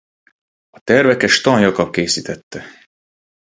Az terveket Stann Jakab készítette.